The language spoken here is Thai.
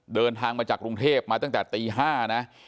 เดินทางมาจากกรุงเทพมาตั้งแต่ตี๕นะ